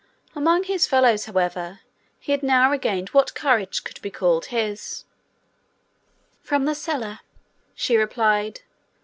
Among his fellows, however, he had now regained what courage could be called his. 'From the cellar,' she replied.